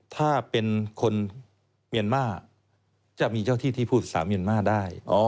ถ้าเป็นคนเมียนมาร์จะมีเจ้าที่ที่พูดภาษาเมียนมาร์ได้